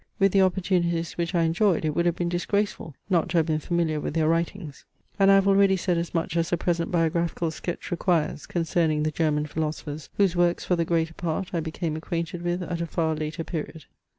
With the opportunities which I enjoyed, it would have been disgraceful not to have been familiar with their writings; and I have already said as much as the present biographical sketch requires concerning the German philosophers, whose works, for the greater part, I became acquainted with at a far later period.